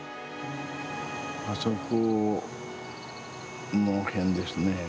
あそこの辺ですね。